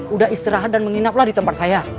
udah istirahat dan menginap lah di tempat saya